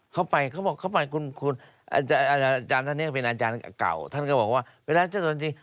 เขาไปอาจารย์ท่านเนี่ยเป็นอาจารย์เก่าท่านก็บอกว่าเวลาเจอตัวจริง